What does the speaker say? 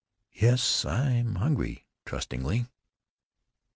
"Yes, I am hungry," trustingly.